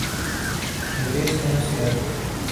انگریز کہاں سے آئے؟